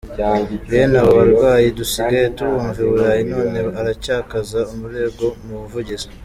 Bene abo barwayi dusigaye tubumva I Burayi, none aracyakaza umurego mu buvugizi.